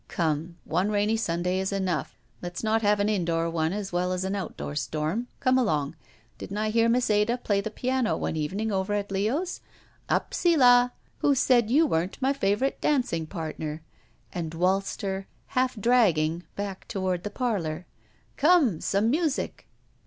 "Come, one rainy Sunday is enough. Let's not have an indoor as wdl as an outdoor storm. Come along. Didn't I hear Miss Ada play the piano one evening over at Leo's? Up see la ! Who said you weren't my favorite danc ing partner?" and waltzed her, half dragging back, toward the parlor. "Come, some music!"